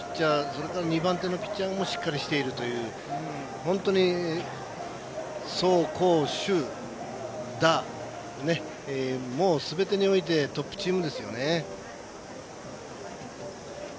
それから二番手のピッチャーもしっかりしているという本当に、走攻守打すべてにおいてトップチームですよね。